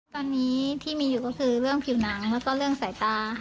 ตอนนี้ที่มีอยู่ก็คือเรื่องผิวหนังแล้วก็เรื่องสายตา